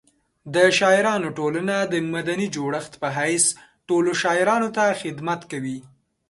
د شاعرانو ټولنه د مدني جوړښت په حیث ټولو شاعرانو ته خدمت کوي.